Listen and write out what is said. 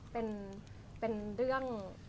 เป็นเรื่อง